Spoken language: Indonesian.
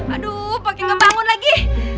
aduh pake gak bangun lagi